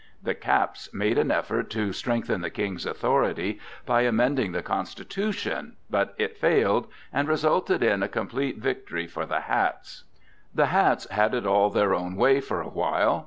The "caps" made an effort to strengthen the King's authority by amending the constitution, but it failed, and resulted in a complete victory for the "hats." The "hats" had it all their own way for a while.